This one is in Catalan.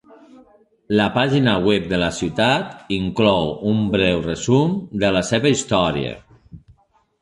La pàgina web de la ciutat inclou un breu resum de la seva història.